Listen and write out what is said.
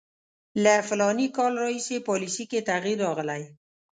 له فلاني کال راهیسې پالیسي کې تغییر راغلی.